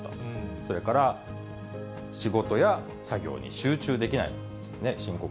それから、仕事や作業に集中できない、深刻。